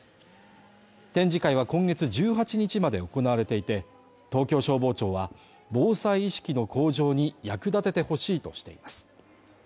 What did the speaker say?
展示会は今月１８日まで行われていて、東京消防庁は、防災意識の向上に役立ててほしいとしています